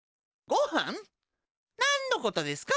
なんのことですか？